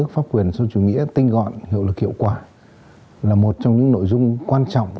phong quyền sâu chủ nghĩa tinh gọn hiệu lực hiệu quả là một trong những nội dung quan trọng